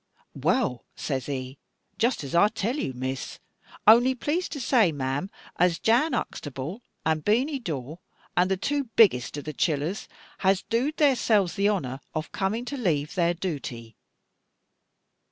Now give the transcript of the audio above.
'Wull,' says he, just as I tell you, Miss, 'ony plase you say, ma'am, as Jan Uxtable, and Beany Dawe, and the two beggest of the chillers has doed theirselves the honour of coming to lave their dooty.